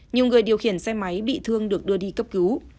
nhiều người điều khiển xe máy bị thương được đưa đi cấp cứu